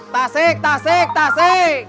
tasik tasik tasik